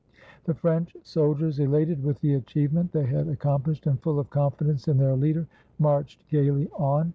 The French soldiers, elated with the achievement they had accom plished, and full of confidence in their leader, marched gayly on.